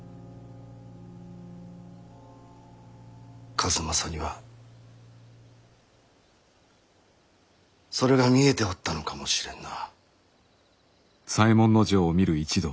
数正にはそれが見えておったのかもしれんな。